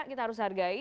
kita harus hargai